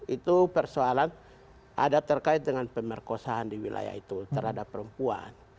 itu persoalan ada terkait dengan pemerkosaan di wilayah itu terhadap perempuan